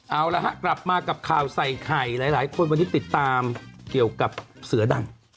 เอาละฮะกลับมากับข่าวใส่ไข่หลายคนวันนี้ติดตามเกี่ยวกับเสือดำ